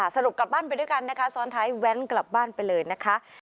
กลับบ้านไปด้วยกันนะคะซ้อนท้ายแว้นกลับบ้านไปเลยนะคะ